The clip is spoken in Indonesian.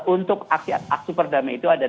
untuk aksi perdamaian itu ada